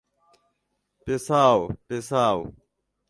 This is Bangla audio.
পেছাও, পেছাও!